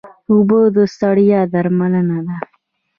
اوبه د ستړیا درملنه ده